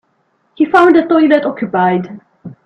He found the toilet occupied.